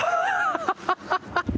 ハハハハ！